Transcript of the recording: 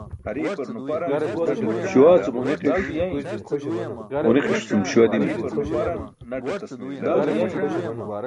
Śuwaa cum ġunikiṣ, ġunikiṣ cum śuwa dimaymi.